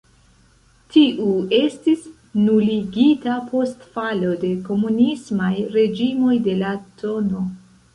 Tiu estis nuligita post falo de komunismaj reĝimoj de la tn.